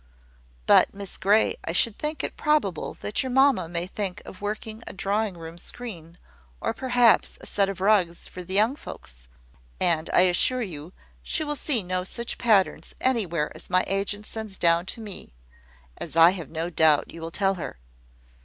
But Miss Grey, I should think it probable that your mamma may think of working a drawing room screen, or perhaps a set of rugs, for the young folks; and I assure you, she will see no such patterns anywhere as my agent sends down to me; as I have no doubt you will tell her.